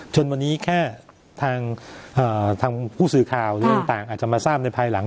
วันนี้แค่ทางผู้สื่อข่าวเรื่องต่างอาจจะมาทราบในภายหลัง